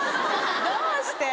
どうして？